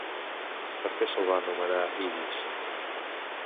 Per què se'l va anomenar Iris?